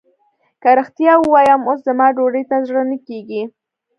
که رښتيا ووايم اوس زما ډوډۍ ته زړه نه کېږي.